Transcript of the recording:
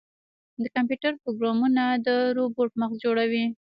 د کمپیوټر پروګرامونه د روبوټ مغز جوړوي.